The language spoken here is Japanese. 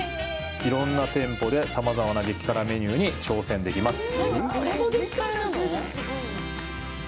いろんな店舗でさまざまな激辛メニューに挑戦できます。